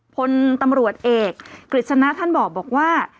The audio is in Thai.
พลตำรวจเอกกฤษณะท่านบอกว่า